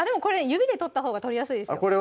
指で取ったほうが取りやすいです